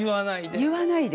言わないで。